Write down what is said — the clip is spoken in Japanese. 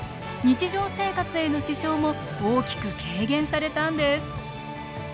日常生活への支障も大きく軽減されたんです。